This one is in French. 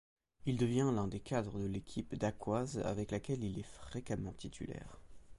Il devient l'un des cadres de l'équipe dacquoise avec laquelle il est fréquemment titulaire.